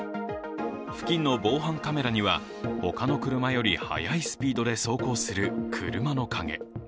付近の防犯カメラには他の車より速いスピードで走行する車の影。